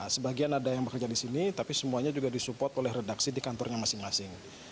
sebagian ada yang bekerja di sini tapi semuanya juga disupport oleh redaksi di kantornya masing masing